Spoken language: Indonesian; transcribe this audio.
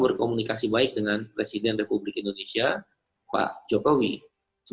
yang komunikasi baik adalah sahabat saya